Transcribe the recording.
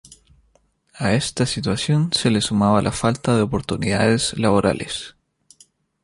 A esta situación se le sumaba la falta de oportunidades laborales.